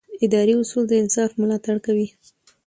اداري اصول د انصاف ملاتړ کوي.